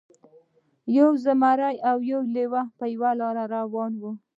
یو زمری او یو لیوه په یوه لاره روان وو.